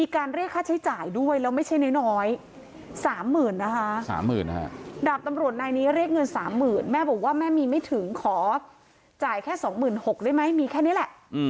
ขอจ่ายแค่๒๖๐๐๐บาทได้ไหมมีแค่นี้แหละ